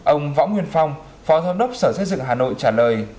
ông võ nguyên phong phó giám đốc sở xây dựng hà nội trả lời